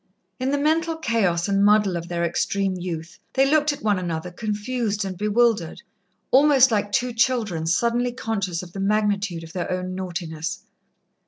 In the mental chaos and muddle of their extreme youth, they looked at one another confused and bewildered, almost like two children suddenly conscious of the magnitude of their own naughtiness.